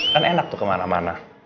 kan enak tuh kemana mana